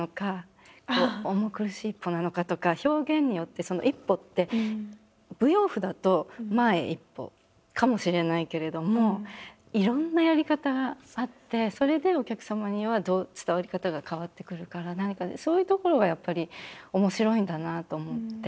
表現によってその１歩って舞踊譜だと「前１歩」かもしれないけれどもいろんなやり方があってそれでお客様には伝わり方が変わってくるから何かねそういうところがやっぱり面白いんだなと思って。